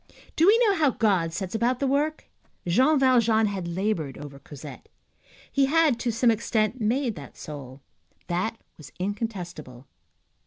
Do we know how God sets about the work? Jean Valjean had labored over Cosette. He had, to some extent, made that soul. That was incontestable.